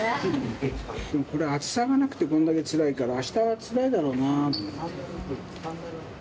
でもこれ、暑さがなくてこんだけつらいから、あしたつらいだろうなっていう。